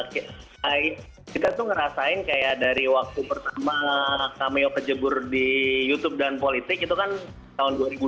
kita tuh ngerasain kayak dari waktu pertama cameo kejebur di youtube dan politik itu kan tahun dua ribu dua puluh